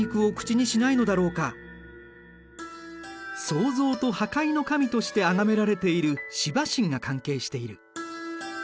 創造と破壊の神としてあがめられているシバ神が関係している。